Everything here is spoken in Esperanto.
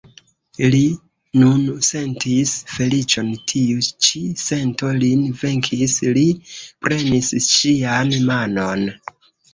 Li nun sentis feliĉon, tiu ĉi sento lin venkis, li prenis ŝian manon.